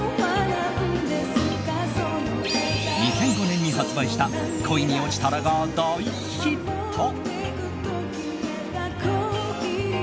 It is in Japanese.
２００５年に発売した「恋におちたら」が大ヒット！